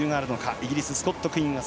イギリス、スコット・クイン。